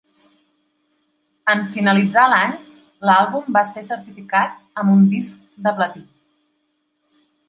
En finalitzar l'any, l'àlbum va ser certificat amb un disc de platí.